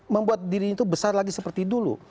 membuat diri itu besar lagi seperti dulu